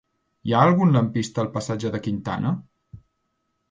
Hi ha algun lampista al passatge de Quintana?